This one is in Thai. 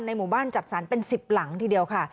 หมู่บ้านจัดสรรเป็น๑๐หลังทีเดียวค่ะ